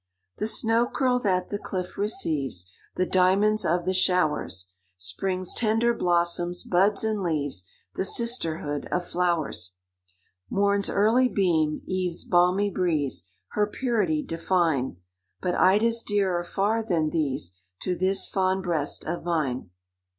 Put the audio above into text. "The snow curl that the cliff receives, The diamonds of the showers, Spring's tender blossoms, buds and leaves, The sisterhood of flowers: Morn's early beam, eve's balmy breeze, Her purity define; But IDA'S dearer far than these, To this fond breast of mine.